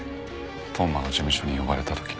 当麻の事務所に呼ばれた時の。